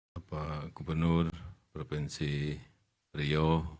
bapak gubernur provinsi riau